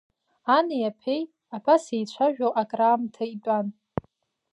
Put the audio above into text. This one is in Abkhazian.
Ани аԥеи, абас, еицәажәо акраамҭа итәан.